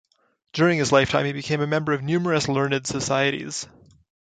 During his lifetime he became a member of numerous learned societies.